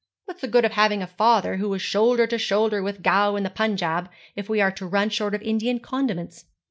What's the good of having a father who was shoulder to shoulder with Gough in the Punjab, if we are to run short of Indian condiments?'